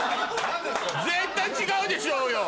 絶対違うでしょうよ。